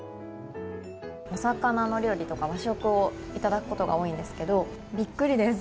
お魚の料理とか、和食をいただくことが多いんですけどビックリです。